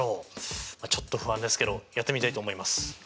ちょっと不安ですけどやってみたいと思います！